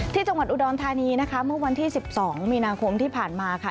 ที่จังหวัดอุดรธานีนะคะเมื่อวันที่๑๒มีนาคมที่ผ่านมาค่ะ